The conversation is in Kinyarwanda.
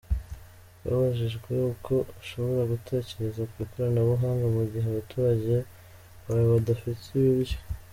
Twabajijwe uko ushobora gutekereza ku ikoranabuhanga mu gihe abaturage bawe badafite ibiryo.